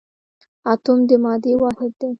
اتوم د مادې واحد دی